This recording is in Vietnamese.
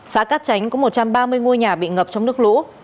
xã cát tránh có một trăm ba mươi ngôi nhà bị ngập trong nước lũ